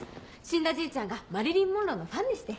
死んだじいちゃんがマリリン・モンローのファンでして。